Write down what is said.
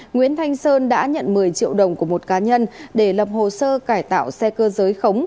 nguyễn thanh sơn đã nhận một mươi triệu đồng của một cá nhân để lập hồ sơ cải tạo xe cơ giới khống